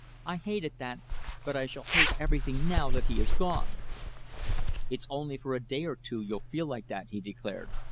"I hated that, but I shall hate everything now that he is gone." "It's only for a day or two you'll feel like that," he declared.